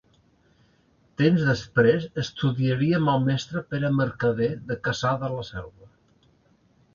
Temps després, estudiaria amb el mestre Pere Mercader de Cassà de la Selva.